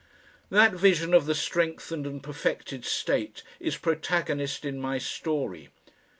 That vision of the strengthened and perfected state is protagonist in my story.